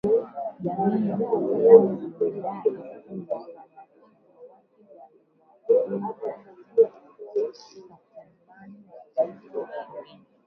Jamii ya kiislam ilidai kuwa wanachama wake waliwauwa takribani wakristo ishirini